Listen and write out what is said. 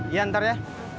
iya ntar ya